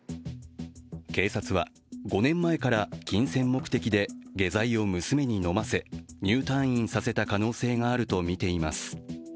警察は５年前から金銭目的で下剤を娘に飲ませ入退院させた可能性があるとみています。